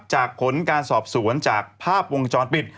ผลการสอบสวนจากภาพวงจรปิด